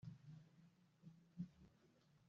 kubera uburakari bwawe